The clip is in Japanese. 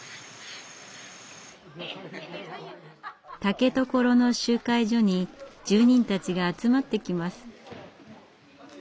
竹所の集会所に住人たちが集まってきます。